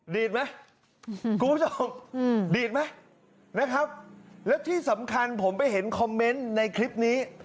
ดีดไหมคุณผู้ชมดีดไหมนะครับแล้วที่สำคัญผมไปเห็นคอมเมนต์ในคลิปนี้